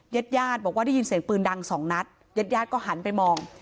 ญาติญาติบอกว่าได้ยินเสียงปืนดังสองนัดญาติญาติก็หันไปมอง